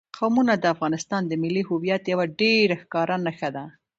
قومونه د افغانستان د ملي هویت یوه ډېره ښکاره نښه ده.